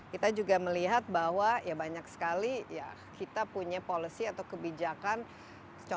kriteria ini apa yang kita malah tambahkan saja